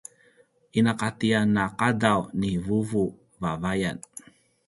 inaqatiyan a qadaw ni vuvu vavayan